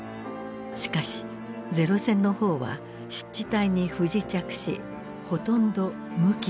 しかし零戦の方は湿地帯に不時着しほとんど無傷だった。